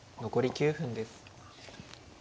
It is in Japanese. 残り９分です。